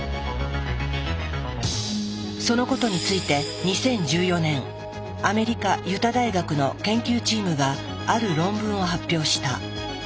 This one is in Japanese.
そのことについて２０１４年アメリカ・ユタ大学の研究チームがある論文を発表した。